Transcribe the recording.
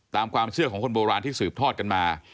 ตามความเชื่อของคนโบราณที่สืบทอดกันมา